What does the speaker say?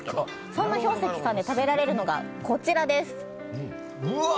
そんな俵石さんで食べられるのが、こちらです。